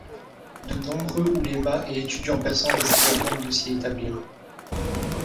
De nombreux ouléma et étudiants persans décidèrent donc de s’y établir.